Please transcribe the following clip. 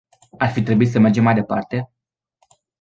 Ar fi trebuit să mergem mai departe?